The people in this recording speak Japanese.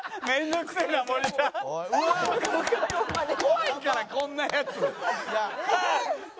怖いからこんなヤツ。